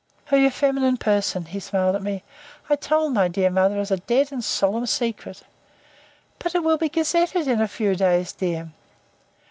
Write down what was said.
"Oh, you feminine person!" He smiled at me. "I told my dear old mother as a dead and solemn secret." "But it will be gazetted in a few days, dear."